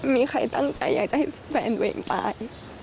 มีใครตั้งใจอยากจะให้แฟนตัวเองตาย